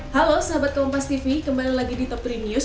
halo sahabat kelompok tv kembali lagi di top tiga news